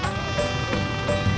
waktunya biar lihat